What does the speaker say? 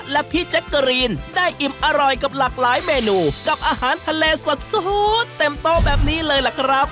และพี่แจ๊กเกอรีนได้อิ่มอร่อยกับหลากหลายเมนูกับอาหารทะเลสดเต็มโต๊ะแบบนี้เลยล่ะครับ